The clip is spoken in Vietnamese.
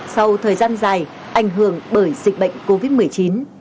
sau thời gian dài ảnh hưởng bởi dịch bệnh covid một mươi chín